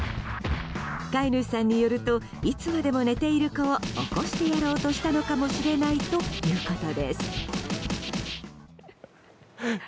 飼い主さんによるといつまでも寝ている子を起こしてやろうとしたのかもしれないということです。